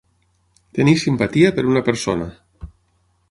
Tenir simpatia per una persona.